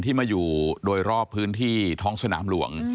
ที่มาอยู่โดยรอบพื้นที่ท้องสนามหลวง